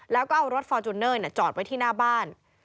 แล้วก็เอารถฟอร์จูเนอร์จอดไว้ที่หน้าบ้าน